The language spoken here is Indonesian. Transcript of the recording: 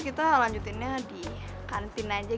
kita lanjutinnya di kantin aja